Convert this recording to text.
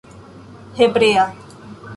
hebrea